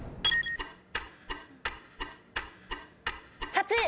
８！